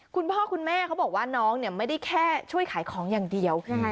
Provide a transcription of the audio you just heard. คุณพ่อคุณแม่เขาบอกว่าน้องเนี่ยไม่ได้แค่ช่วยขายของอย่างเดียวนะคะ